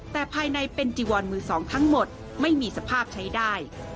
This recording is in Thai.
แต่ภายในเป็นจีวอนมือสองทั้งหมดไม่มีสภาพใช้ได้